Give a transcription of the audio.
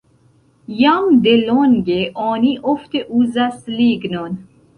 Jam delonge oni ofte uzas lignon.